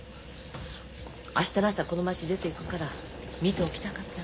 明日の朝この町出ていくから見ておきたかったんでしょう。